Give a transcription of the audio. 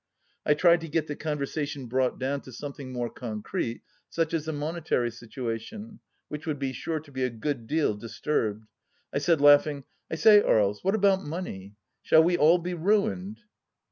I tried to get the conversation brought down to something more concrete, such as the monetary situation, which would be sure to be a good deal disturbed. I said, laughing :" I say, Aries, what about money ? Shall we all be ruined